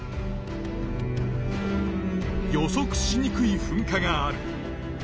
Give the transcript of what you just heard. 予そくしにくい噴火がある。